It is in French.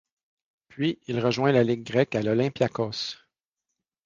Puis, il rejoint la ligue grecque à l'Olympiakos.